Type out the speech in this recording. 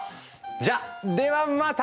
じゃあではまた！